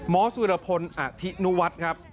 มสวิรพลอธินวัตรครับ